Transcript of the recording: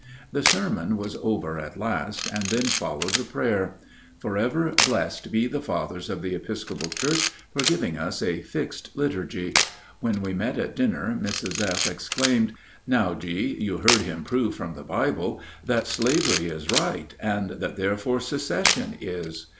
... The sermon was over at last, and then followed a prayer.... Forever blessed be the fathers of the Episcopal Church for giving us a fixed liturgy! When we met at dinner Mrs. F. exclaimed, "Now, G., you heard him prove from the Bible that slavery is right and that therefore secession is.